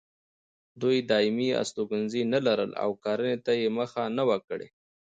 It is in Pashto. دوی دایمي استوګنځي نه لرل او کرنې ته یې مخه نه وه کړې.